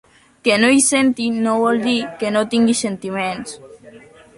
Que no hi senti no vol dir que no tingui sentiments.